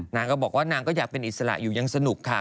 นางก็บอกว่านางก็อยากเป็นอิสระอยู่ยังสนุกค่ะ